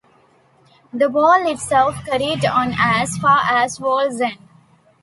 The Wall itself carried on as far as Wallsend.